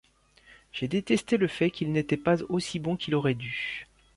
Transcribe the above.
J'ai détesté le fait qu'il n'était pas aussi bon qu'il aurait dû.